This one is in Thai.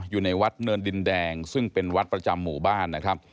อยู่ในวัดเนินดินแดงซึ่งเป็นวัดประจำหมู่บ้านนะครับ